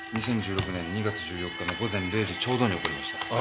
２０１６年２月１４日の午前０時ちょうどに起こりました。